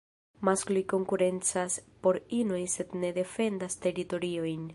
Maskloj konkurencas por inoj sed ne defendas teritoriojn.